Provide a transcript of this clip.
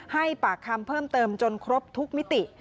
ให้ปากคำเพิ่มเติมจนครบทุกมิติ